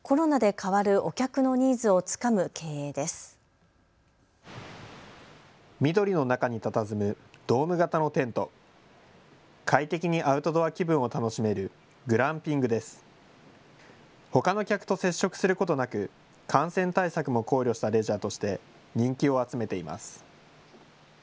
ほかの客と接触することなく、感染対策も考慮したレジャーとして人気を集めています。